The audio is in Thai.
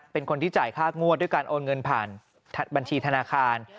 เป็นคนที่จ่ายค่างวดด้วยการโอนเงินผ่านบัญชีธนาคาร